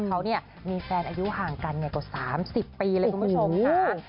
เขามีแฟนอายุห่างกันกว่า๓๐ปีเลยคุณผู้ชมค่ะ